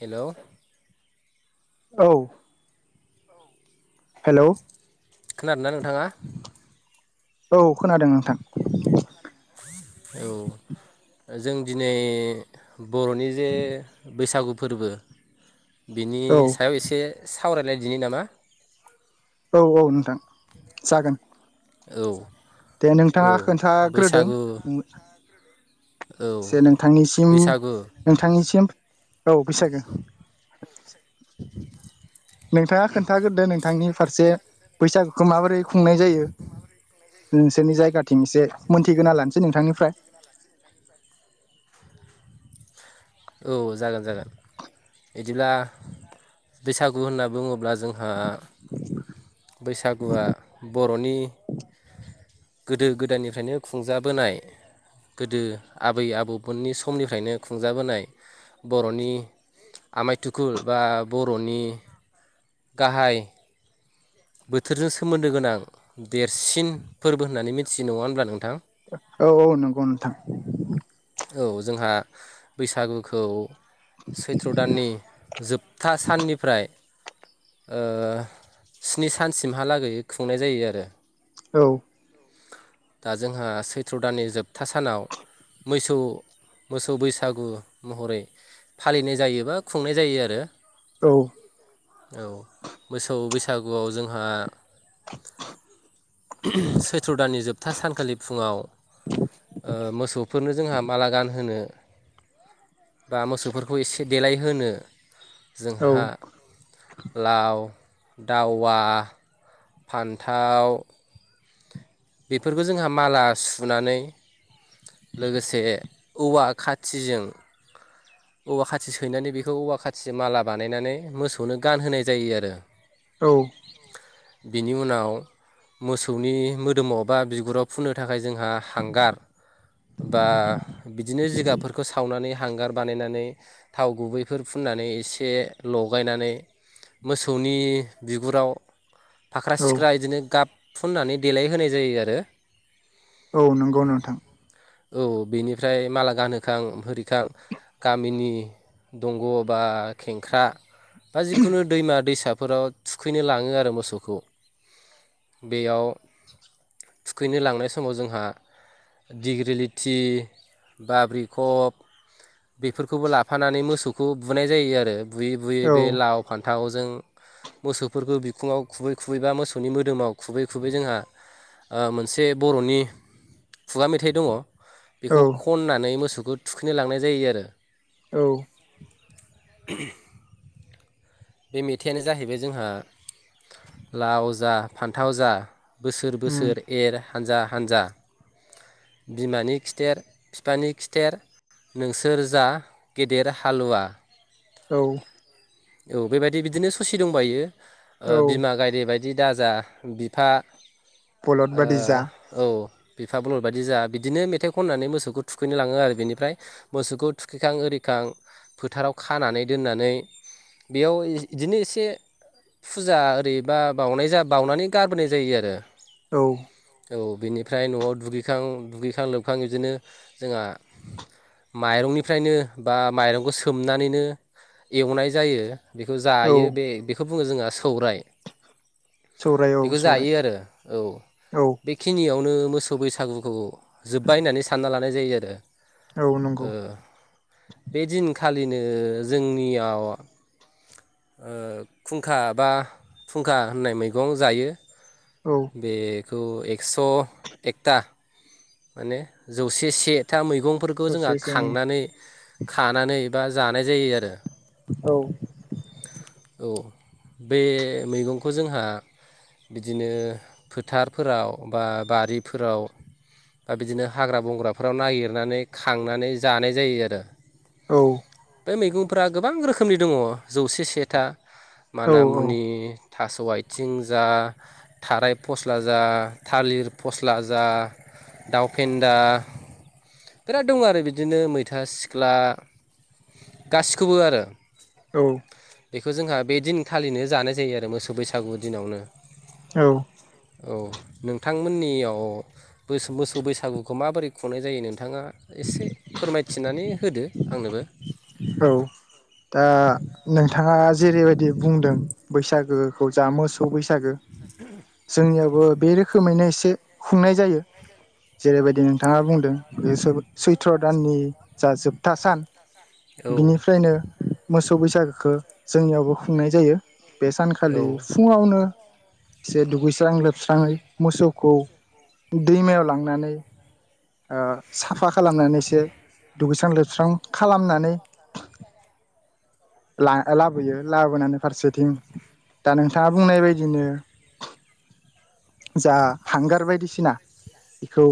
हेल' औ। हेलौ खोनादोंना नोंथाङा? औ खोनादों नोंथां। औ जों दिनै बर'नि जे बैसागु फोरबो बिनि औ सायाव एसे सावरायलायदिनि नामा? औ औ नोंथां जागोन। औ। दे औ नोंथाङा खोन्थाग्रोदों। बैसागु औ से नोंथांनिसिम बैसागु नोंथांनिसिम औ बैसागो [inaudible] नोंथाङा खोनथाग्रोदो नोंथांनि फारसे बैसागुखौ माबोरै खुंनाय जायो नोंसोरनि जायगाथिं एसे मोनथिगोना लानोसै नोंथांनिफ्राय औ जागोन जागोन बिदिब्ला बैसागु होनना बुङोब्ला जोंहा बैसागुआ बर'नि गोदो गोदायनिफ्रायनो खुंजाबोनाय गोदो आबै आबौमोननि समनिफ्रायनो खुंजाबोनाय बर'नि आमाय थुखुल बा बर'नि गाहाय बोथोरजों सोमोन्दो गोनां देरसिन फोरबो होननानै मिथियो नङा होनोमब्ला नोंथां औ औ नंगौ नोंथां औ जोंहा बैसागुखौ सैथ्र' दाननि जोबथा साननिफ्राय ओ स्नि सानसिमहालागै खुंनाय जायो आरो औ दा जोंहा सैथ्र दाननि जोबथा सानाव मोसौ मोसौ बैसागु महरै फालिनाय जायोबा खुंनाय जायो आरो। औ औ मोसौ बैसागुआव जोंहा सैथ्र' दाननि जोबथा सानखालि फुङाव ओ मोसौ जोंहा माला गान होनो बा मोसौफोरखौ एसे देलाय होनोनो औ जोंहा लाव दावा फान्थाव बेफोरखौ जोंहा माला सुनानै लोगोसे औवा खाथिजों औवा खाथि सैनानै बेखौ औवा खाथिजों माला बानायनानै मोसौनो गानहोनाय जायो आरो। औ बिनि उनाव मोसौनि मो ोदोमाव बा बिगुराव फुननो थाखाय जोंहा हांगार बा बिदिनो जिगाबफोरखौ सावनानै हांगार बानायनानै थाव गुबैफोर फुननानै एसे लगायनानै मोसौनि बिगुराव फाख्रा औ सिख्रा बिदिनो गाब फुननानै देलाय होनाय जायो आरो औ नंगौ नोंथां औ बेनिफ्राय माला गानहोखां होरिखां गामिनि दंग' बा खेंख्रा बा जिखुनु दैमा दैसा फोराव थुखैनो लाङो आरो मोसौखौ बेयाव थुखैनो लांनाय समाव जोंहा दिडग्रिलिथि बाब्रिखब बेफोरखौबो लाफानानै मोसौखौ बुनाय जायो आरो। बुयै बुयै औ बे लाव फान्थाव जों मोसौफोरखौ बिखुङाव खुबै खुबै बा मोसौनि मोदोमाव खुबै खुबै जोंहा मोनसे बर'नि खुगा मेथाइ दङ'। औ बेखौ खननानै मोसौ खौ थुखैनो लांनाय जायो आरो। औ। बे मेथाइयानो जाहैबाय जोंहा लाव जा फान्थाव जा बोसोर उम बोसोर एर हानजा हानजा बिमानि खिथेर बिफानि खिथेर नोंसोर जा गेदेर हालुवा औ औ बेबायदि बिदिनो ससि दंबायो। ओ औ बिमा गाय बाय दि दाजा बिफा बलद बादि जा ओ औ। बिफा बलद बायदि जा बिदिनो मेथाइ खननानै मोसौखौ थुखैनो लाङो आरो बेनिफ्राय मोसौखौ थुखैखां ओरिखां फोथाराव खानानै दोननानै बेयाव इदिनो एसे फुजा ओरैबा बावनाय जा बावनानै गारबोनाय जायो आरो। औ। बिनिफ्राय न'आव दुगैखां दुगैखां लोबखां इदिनो जोंहा माइरंनिफ्रायनो बा माइरंखौ सोमनानैनो एवनाय जायो। बेखौ औ जायो बे बेखौ बुङो जोंहा सौराय। सौराय औ बेखौ सौराय जायो आरो औ औ बेखिनियाव नो मोसौ बैसागुखौ जोब्बाय होननानै सानना ला नाय जायो आरो। औ नंगौ ओ बे दिन खालिनो जोंनियाव ओ खुंखा बा फुंखा होननाय मैगं जायो। औ बे खौ एकस' एकथा माने जौसे सेथा मै गंफोरखौ जोंहा ससे जों खांनानै खानानै बा जानाय जायो आरो। औ। औ बे मैगंखौ जोंहा बिदिनो फोथारफोराव बा बारिफोराव बा बिदिनो हाग्रा बंग्राफोराव नागिरनानै खांनानै जानाय जायो आरो। औ। बे मैगंफ्रा गोबां रोखोमनि दङ'। जौसे सेथा। औ माना मुनि थास' आथिं जा, थाराय फस्ला जा, थालिर फस्ला जा, दउफेन्दा बिराद दं आरो बिदिनो मैथा सिख्ला गासिखौबो आरो। औ। बेखौ जोंहा बे दिनखालिनो जानाय जायो आरो मोसौ बैसागु दिनावनो। औ औ नोंथांमोननियाव मोसौ बैसागुखौ माबोरै खुंनाय जायो नोंथां बिथाङा एसे फोरमायथिनानै होदो आंनोबो औ दा नोंथाङा जेरै बायदि बुंदों बैसागोखौ जा मो बैसागो जोंनियावबो बे रोखोमैनो एसे खुंनाय जायो जेरैबायदि नोंथाङा बुंदों बे सैथ्र दाननि जा जोबथा सान औ बिनिफ्रायनो मोसौ बैसागो खौ जोंनियावबो खुंनाय जायो बे सानखालि फुङावनो एसे दुगैस्रां लोबस्राङै मोसौखौ दैमायाव लांनानै आं साफा खालामनानै एसे दुगैस्रां-लोबस्रां खालामनानै दा लाबोयो लाबोनानै फारसेथिं दा नोंथाङा बुंनाय बायदिनो जा हांगार बायदिसिना बेखौ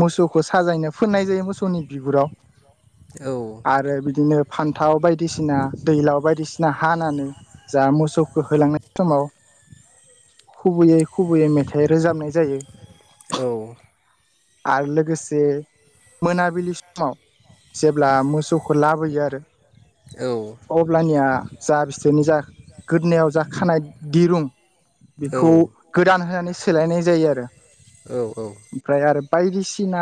मोसौखौ साजायनो फोननाय जायो मोसौनि बिगुराव। आरो बिदिनो फान्थाव बायदिसिना दैलाव बायदिसिना हानानै जा मोसौखौ होलांनाय समाव खुबैयै खुबैयै मेथाइ रोजाबनाय जायो आरो लोगोसे मोनाबिलि समाव जेब्ला मोसौखौ लाबोयो आरो औ अब्लानिया जा बिसोरनि जा गोदोनाव जा खानाय दिरुं बेखौ गोदान होनानै सेलायनाय जायो आरो औ औ ओमफ्राय आरो बायदिसिना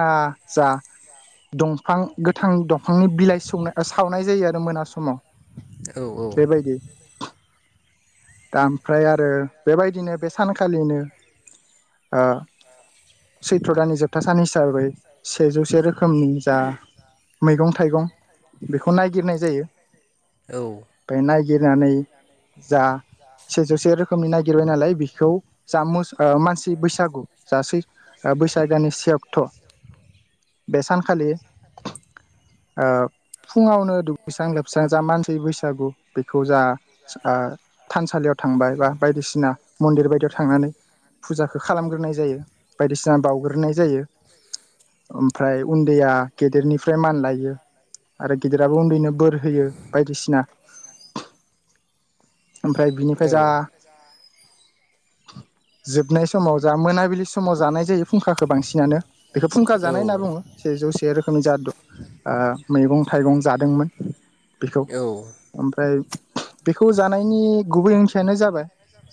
जा दंफां गोथां दंफांनि बिलाइ सौनाय सावनाय जायो आरो मोना समाव औ औ बेबायदि दा ओमफ्राय आरो बेबायदिनो बे सानखालिनो ओ सैथ्र दाननि जोबथा सान हिसाबै सेजौसे रोखो रोखोमनि जा मैगं थाइगं बेखौ नायगिरनाय जायो औ नागिरनानै जा सेजौ से रोखोमनि नायागिरबाय नालाय बेखौ जा मच मानसि बैसागु जासै बैसाग दाननि से अक्ट बेसानखालि ओ फुंङावनो दुगैसां लोब जा जा मानसि बैसागु बेखौ जा ओ थानसालियाव थांबाय बा बायदिसिना मन्दिर बायदियाव थांनानै फुजाखौ खालामग्रोनाय जायो बायदिसिना बाउग्रोनाय जायो ओमफ्राय उन्दैया गेदेरनिफ्राय मान लायो आरो गेदेराबो उन्दैनो बोर होयो बायदिसिना ओमफ्राय बिनिफ्राय जा जोबनाय समाव जा मोनाबिलि समाव जानाय जायो फुंखाखौ बांसिनानो बेखौ फुंखा जानाय होनना बुंङो सेजौ से रोखोमनि जादु आ मैगं-थाइगं जादोंमोन। बेखौ ओमफ्राय बेखौ जानायनि गुबै ओंथियानो जाबाय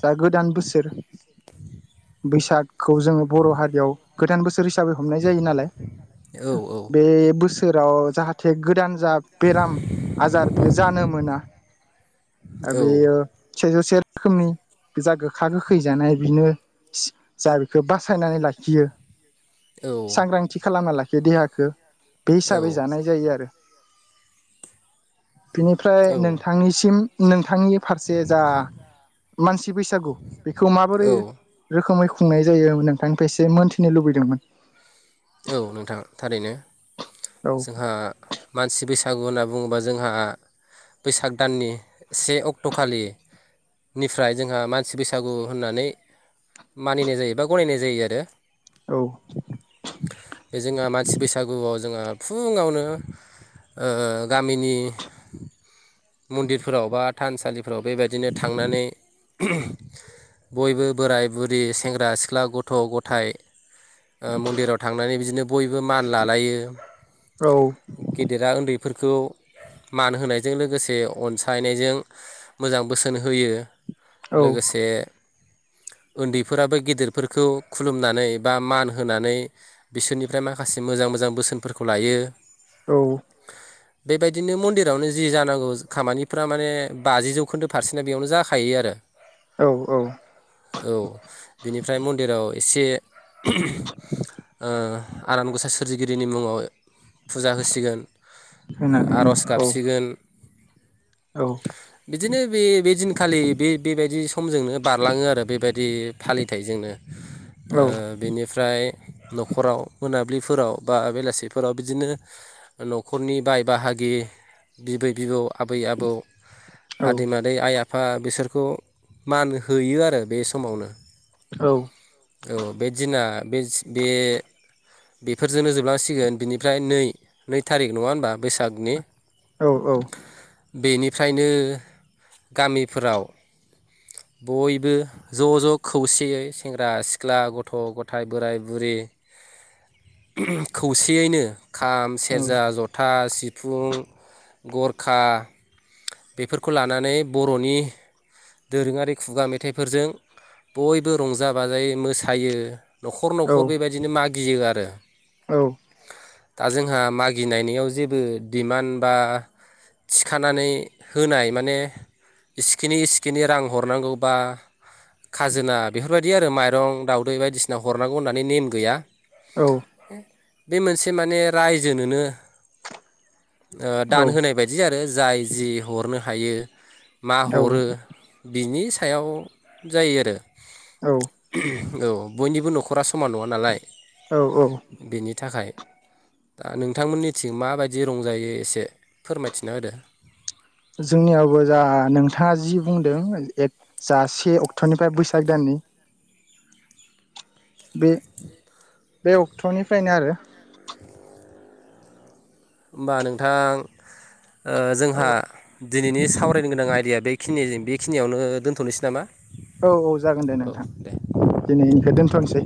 जा गोदान बोसोर [inaudible] बैसाग खौ जोंङो बर हारियाव गोदान बोसोर हिसाबै हमनाय जायो नालाय बे बोसोर जेराव जाहाथे गोदान जा बेराम आजार बियो जानो मोना बेयो [unintelligible] सेजौ से रोखोमनि जा गोखा गोखै जानाय बिनो जा बेखौ बासायनानै लाखियो सांग्रांथि खालामन [unintelligible] देहाखौ बे हिसाबै जानाय जायो आरो बेनिफ्राय औ औ नोंथांनिसिम नों नोंथांनि फारसे जा मानसि बैसागु बेखौ माबोरै औ रोखोमै खुंनाय जायो नोंथांनिफ्राय एसे मोनथिनो लुबैदोंमोन औ नोंथां थारैनो। औ जोंहा मानसि बैसा बैसागु होनना बुङोबा जोंहा बैसाग दाननि से अक्ट'खालिनिफ्राय जोंहा मानसि बैसागु होननानै मानिनाय जायो बा गनायनाय जायो आरो औ बे जोंहा मानसि बैसागुआव जोंहा फुङावनो ओ गामिनि मन्दिरफोराव बा थानसालिफोराव बेबायदिनो थांनानै बयबो बोराय-बुरि, सेंग्रा-सिख्ला, गथ'-गथाय मन्दिराद थांनानै बिदिनो बयबो मान लालायो औ गेदेरा उन्दै फोरखौ मान होनायजों लोगोसे अनसायनायजों मोजां बोसोन होयो। औ लोगोसे उन्दैफोराबो गेदेरफोरखौ खुलुमनानै बा मान होनानै बिसोरनिफ्राय माखासे मोजां मोजां बोसोनफोरखौ लायो। औ बेबायदिनो मन्दिरावनो जि जानांगौ खामानिफ्रा माने बाजि जौखोन्दो फारसेना बेयावनो जाखायो आरो औ औ औ बिनिफ्राय मन्दिराव एसे ओ आनान गसाइ सोरजिगिरिनि मुङाव फुजा होसिगोन ओ होननानै आर'ज औ गाबसिगोन। औ बिदिनो बे बे दिनखालि बे बेबायदि समजोंनो बारलाङो आरो बेबायदि फालिथायजोंनो ओ औ बेनिफ्राय न'खराव मोन मोनाबिलिफोराव बा बेलासिफोराव बिदिनो न'खरनि बाय बाहागि बिबै बिबौ आबै आबौ औ आदै मादै आइ आ फा बिसोरखौ मान होयो आरो बे समावनो। औ औ बे दिना बे बे बेफोरजोंनो जोबलांसिगोन बिनिफ्राय नै नै थारिख नंङा होनबा बैसागनि औ औ बेनिफ्रायनो गामिफोराव बयबो ज ज खौसेयै सेंग्रा सिख्ला गथ गथाय बोराइ बुरि खौसेयैनो खाम सेरजा जथा सिफुं गरखा बेफोरखौ लानानै बरनि दोरोंङारि खुगा मेथाइफोरजों बयबो रंजा बाजायै मोसायो नखर थ बेबायदिनो मागियो आरो ओ औ दा जोंहा मागिनायनिाव जेबो दिडिमान्ड बा थिखानानै होनाय माने इसिखिनि इसिखिनि रां हरनांगौ बा खाजोना बे बेफोरबायदि आरो माइरं दावउदै बायदिसिना हरांगौ होन मे नेम गैया औ बे मोनसे माने रायजोनोनो दान होनाय बायदि आरो जाय जि हरनो थायो मा औ हरो बिनि सायाव जायो आरो औ [unintelligible] औ बयनिबो नखरा समान नङा नालाय औ औ बेनि थाखाय दा नोंथांमोननिथिं माबायदि रंजायो एसे फोरमायथिना होदो जोंनियावबो जा नोंथाङा जि बुंदों जा से अक्ट'निफ्राय बैसाग दाननि बे बे अक्ट'निफ्रायनो आरो होमबा नोंथां ओ जोंहा दिनैनि सावरायनो गोनां आयदाया बे खिनिजों बेखिनियावनो दोनथ'नोसै नामा औ औ जागोन दे औ नोंथां दे दिनै निखौ दोनथ'नोसै